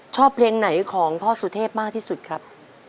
ชอบเพลงไหนของพ่อสุเทพมากที่สุดครับ